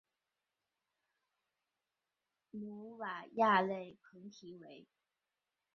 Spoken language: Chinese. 努瓦亚勒蓬提维。